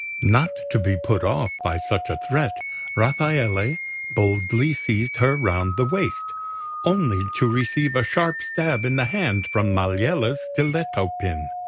Not to be put off by such a threat, Rafaele boldly seized her round the waist, only to receive a sharp stab in the hand from Maliella's stiletto pin.